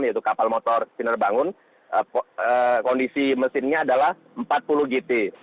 yaitu kapal motor sinar bangun kondisi mesinnya adalah empat puluh gt